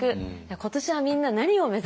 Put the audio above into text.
「今年はみんな何を目指す？」